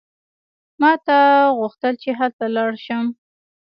ما ته غوښتل چې هلته لاړ شم.